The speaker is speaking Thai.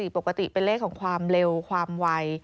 ปกติเป็นเลขของความเร็วความไว